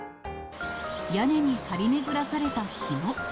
屋根に張り巡らされたひも。